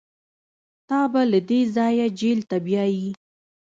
تا به له دې ځايه جېل ته بيايي.